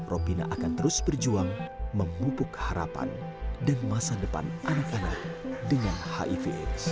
ropina akan terus berjuang memupuk harapan dan masa depan anak anak dengan hiv